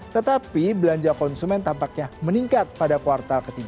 tetapi belanja konsumen tampaknya meningkat pada kuartal ketiga